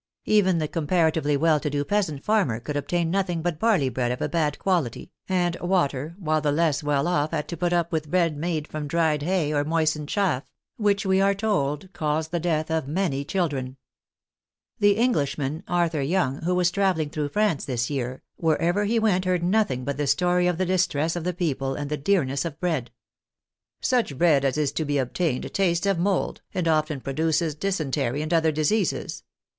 Even the comparatively well to do peasant farmer could obtain nothing but barley bread of a bad quality, and water, while the less well off had to put up with bread made from dried hay or moistened chaff, which we are told " caused the death of many children." The Englishman, Arthur Young, who was traveling through France this year, wherever he went heard noth ing but the story of the distress of the people and the dearness of bread. " Such bread as is to be obtained tastes of mould, and often produces dysentery and other diseases.